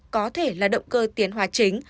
có thể là động cơ tiến hóa chính